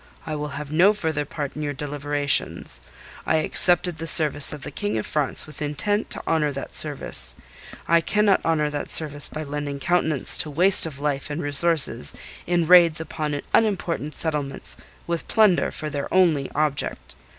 I will have no further part in your deliberations. I accepted the service of the King of France with intent to honour that service. I cannot honour that service by lending countenance to a waste of life and resources in raids upon unimportant settlements, with plunder for their only object.